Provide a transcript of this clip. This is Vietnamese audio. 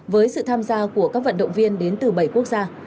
với sự tham gia của các vận động viên đến từ bảy quốc gia